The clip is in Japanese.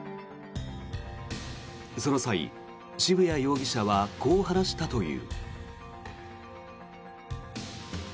その際、渋谷容疑者はこう話したという。